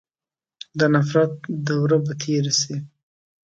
د نفرت دوره به تېره سي.